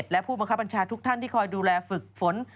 และผู้บังคับบัญชาทุกท่านที่คอยดูแลฝึกฝน